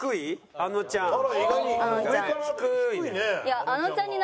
あのちゃんを？